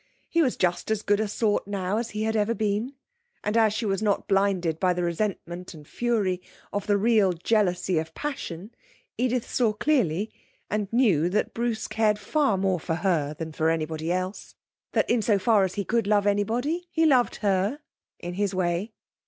He was just as good a sort now as he had ever been, and as she was not blinded by the resentment and fury of the real jealousy of passion, Edith saw clearly, and knew that Bruce cared far more for her than for anybody else; that in so far as he could love anybody he loved her in his way.